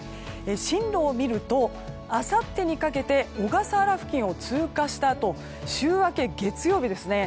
進路を見るとあさってにかけて小笠原付近を通過したあと週明け月曜日ですね